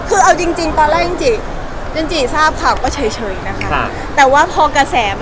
เราเรียก